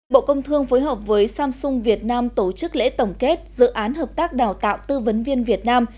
bộ công thương phối hợp với samsung việt nam tổ chức lễ tổng kết dự án hợp tác đào tạo tư vấn viên việt nam